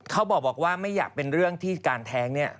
เขาบอกว่าไม่อยากเป็นเรื่องที่การแท้งเนี่ย